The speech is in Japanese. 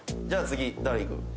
じゃあ次誰いく？